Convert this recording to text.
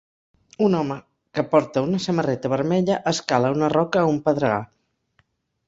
Un home que porta una samarreta vermella escala una roca a un pedregar.